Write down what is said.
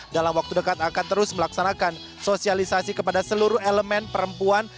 dalam waktu dekat akan terus melaksanakan sosialisasi kepada seluruh elemen perempuan